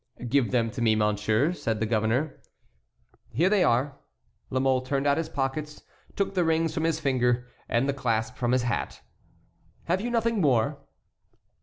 "Give them to me, monsieur," said the governor. "Here they are." La Mole turned out his pockets, took the rings from his finger, and the clasp from his hat. "Have you nothing more?"